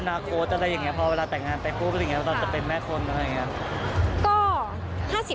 อนาคตอะไรอย่างนี้พอเวลาแต่งงานไปพูดว่าจะเป็นแม่คนอะไรอย่างนี้